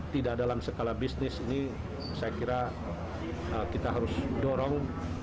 tidak dalam skala bisnis ini saya kira kita harus dorong